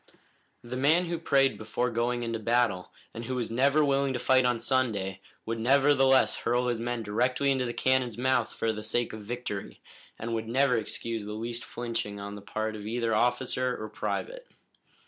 The man who prayed before going into battle, and who was never willing to fight on Sunday, would nevertheless hurl his men directly into the cannon's mouth for the sake of victory, and would never excuse the least flinching on the part of either officer or private.